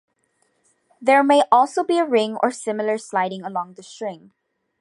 There may also be a ring or similar sliding along the string.